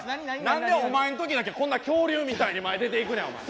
何でお前ん時だけこんな恐竜みたいに前出ていくねんお前。